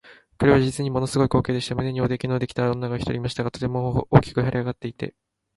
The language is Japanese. これは実にもの凄い光景でした。胸におできのできた女が一人いましたが、とても大きく脹れ上っていて、